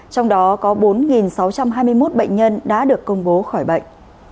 trong đó có bốn sáu trăm hai mươi một bệnh nhân đã được công bố khỏi bệnh